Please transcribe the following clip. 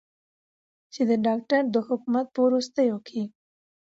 چې د داکتر د حکومت په وروستیو کې